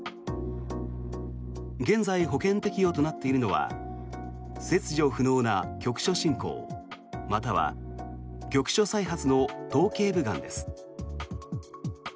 現在、保険適用となっているのは切除不能な局所進行または局所再発の頭頸部がんです。